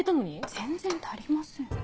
全然足りません。